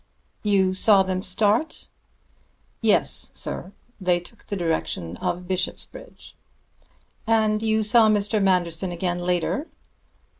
"You saw them start?" "Yes, sir. They took the direction of Bishopsbridge." "And you saw Mr. Manderson again later?"